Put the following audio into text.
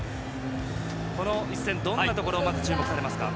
この一戦、どんなところに注目されますか？